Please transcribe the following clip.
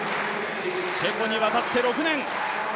チェコに渡って６年。